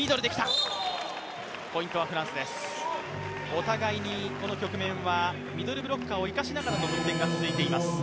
お互いにこの局面は、ミドルブロッカーを生かしながらの攻撃が続いています。